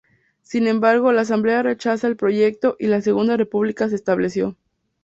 Sin embargo, la Asamblea rechazó el proyecto y la Segunda República se estableció.